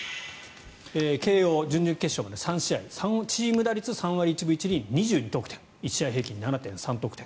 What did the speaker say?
慶応、準々決勝まで３試合打率３割１分１厘２２得点１試合平均７．３得点。